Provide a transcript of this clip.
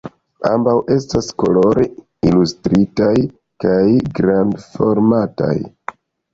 Ambaŭ estas kolore ilustritaj kaj grandformataj.